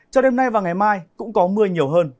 cho đêm nay và ngày mai cũng có mưa nhiều hơn